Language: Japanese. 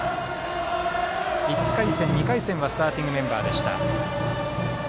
１回戦、２回戦はスターティングメンバーでした。